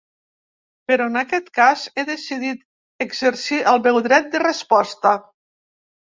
Però, en aquest cas, he decidit exercir el meu dret de resposta.